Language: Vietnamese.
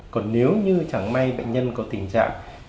còn nếu như chẳng may bệnh nhân có tình trạng